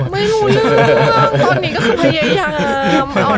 ไม่รู้เรื่องตอนนี้ก็คือพยายาม